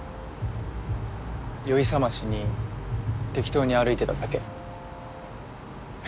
酔い覚ましに適当に歩いてただけ何？